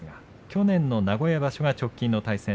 去年の名古屋場所が直近の対戦。